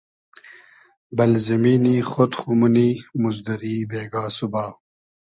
بئل زیمینی خۉد خو مونی موزدوری بېگا سوبا